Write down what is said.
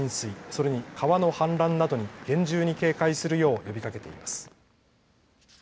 それに、川の氾濫などに厳重に警戒するよう呼びかけています。